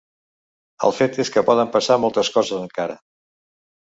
El fet és que poden passar moltes coses encara.